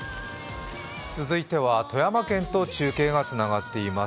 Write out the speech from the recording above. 続いては富山県と中継がつながっています。